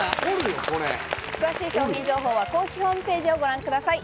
詳しい商品情報は公式ホームページをご覧ください。